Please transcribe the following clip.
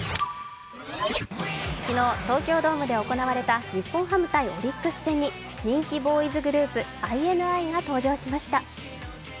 昨日、東京ドームで行われた日本ハム×オリックス戦に人気ボーイズグループＩＮＩが登場しました。